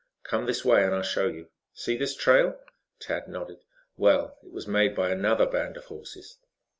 Come this way and I'll show you. See this trail?" Tad nodded. "Well, it was made by another band of horses."